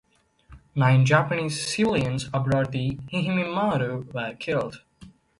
Nine Japanese civilians aboard the "Ehime Maru" were killed.